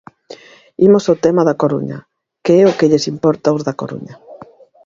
Imos ao tema da Coruña, que é o que lles importa aos da Coruña.